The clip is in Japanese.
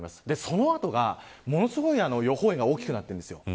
その後がものすごい予報円が大きくなっているんです。